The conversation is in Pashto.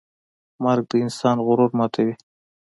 مرګ د انسان غرور ماتوي.